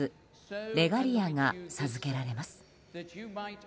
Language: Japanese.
レガリアが授けられます。